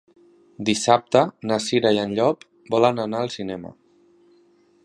Dissabte na Cira i en Llop volen anar al cinema.